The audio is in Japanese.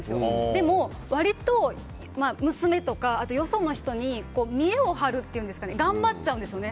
でも、割と娘とか、よその人に見栄を張るっていうんですかね。頑張っちゃうんですよね。